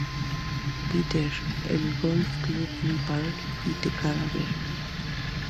Peter, el Golf Club Lee Park, y The Cavern.